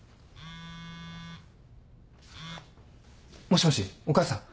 もしもしお母さん？